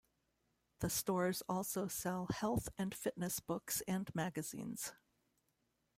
The stores also sell health and fitness books and magazines.